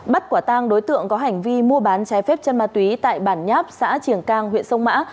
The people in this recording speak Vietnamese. bắt quả tang đối tượng có hành vi mua bán trái phép chân ma túy tại bản nháp xã triển cang huyện sông mã